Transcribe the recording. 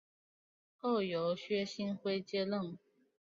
后由薛星辉接任。